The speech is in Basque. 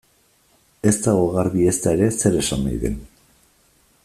Ez dago garbi, ezta ere, zer esan nahi den.